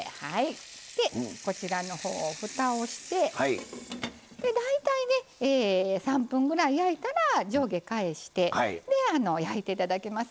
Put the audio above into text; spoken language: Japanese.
こちらの方をふたをして大体ね３分ぐらい焼いたら上下返して焼いて頂きます。